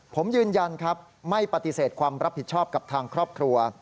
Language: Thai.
ผมยืนยันครับไม่ปฏิเสธความรับผิดชอบกับทางครอบครัว